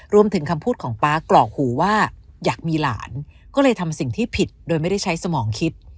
คำพูดของป๊ากรอกหูว่าอยากมีหลานก็เลยทำสิ่งที่ผิดโดยไม่ได้ใช้สมองคิด